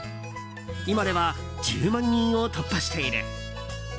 今では１０万人を突破している。